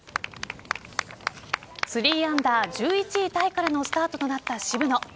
３アンダー、１１位タイからのスタートとなった渋野。